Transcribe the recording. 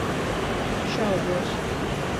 Šaubos.